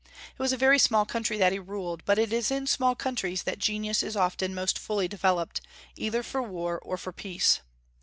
It was a very small country that he ruled, but it is in small countries that genius is often most fully developed, either for war or for peace.